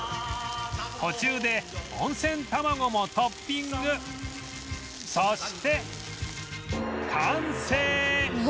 途中で温泉卵もトッピングそして完成